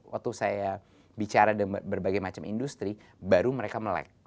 waktu saya bicara berbagai macam industri baru mereka melek